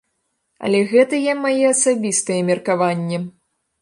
Але гэтае маё асабістае меркаванне.